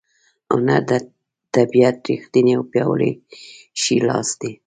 هنر د طبیعت ریښتینی او پیاوړی ښی لاس دی.